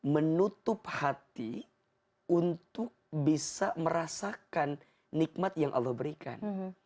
menutup hati untuk bisa merasakan nikmat yang allah berikan